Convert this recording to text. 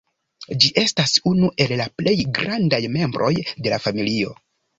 Ĝi estas unu el la plej grandaj membroj de la familio.